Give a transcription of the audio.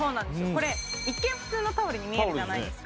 これ一見普通のタオルに見えるじゃないですか。